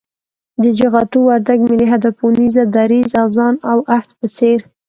د جغتو، وردگ، ملي هدف اونيزه، دريځ، آذان او عهد په څېر